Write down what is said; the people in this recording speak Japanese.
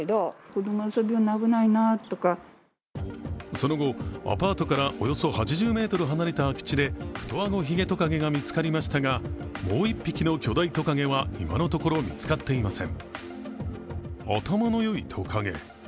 その後、アパートからおよそ８０ｍ離れた空き地でフトアゴヒゲトカゲが見つかりましたが、もう１匹の巨大トカゲは今のところ見つかっていません。